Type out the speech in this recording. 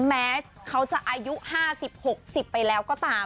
แม้เขาจะอายุห้าสิบหกสิบไปแล้วก็ตาม